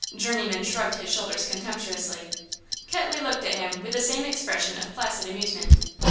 Journeyman shrugged his shoulders contemptuously. Ketley looked at him with the same expression of placid amusement.